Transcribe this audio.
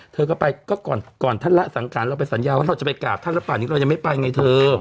เธอก็ไปก็ก่อนท่านละสังขารเราไปสัญญาว่าเราจะไปกราบท่านหรือเปล่านี้เรายังไม่ไปไงเธอ